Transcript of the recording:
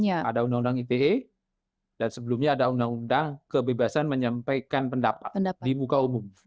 ada undang undang ite dan sebelumnya ada undang undang kebebasan menyampaikan pendapat di muka umum